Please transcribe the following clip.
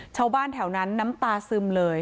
ชาวบ้านแถวนั้นน้ำตาซึมเลย